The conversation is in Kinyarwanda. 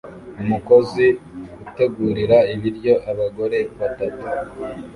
Umukozi utegurira ibiryo abagore batatu